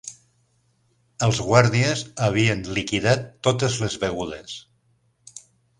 Els guàrdies havien liquidat totes les begudes